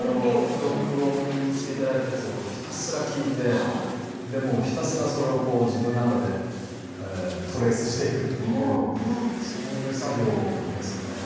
録音していただいたものをひたすら聞いてひたすらそれを自分の中でトレースしていくというそういう作業ですね。